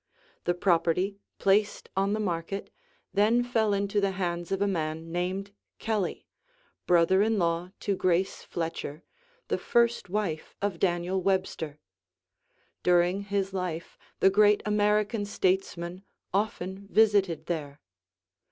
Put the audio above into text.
The property, placed on the market, then fell into the hands of a man named Kelly, brother in law to Grace Fletcher, the first wife of Daniel Webster. During his life, the great American statesman often visited there.